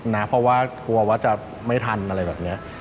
นะเพราะว่ากลัวว่าจะไม่ทันอะไรแบบนี้